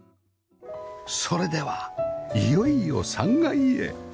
それではいよいよ３階へ